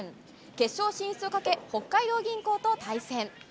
決勝進出をかけ、北海道銀行と対戦。